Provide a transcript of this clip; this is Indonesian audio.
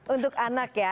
untuk anak ya